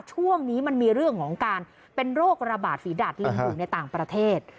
ช่วงนี้มันมีเรื่องของการเป็นโรคระบาดฝีดาดลิงอยู่ในต่างประเทศ